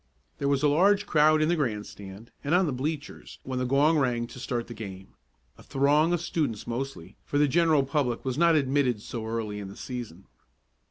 There was a large crowd in the grandstand and on the bleachers when the gong rang to start the game a throng of students mostly, for the general public was not admitted so early in the season.